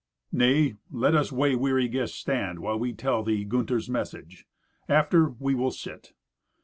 "Nay, let us way weary guests stand while we tell thee Gunther's message. After, we will sit.